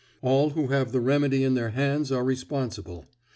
All who have the remedy in their hands are responsible.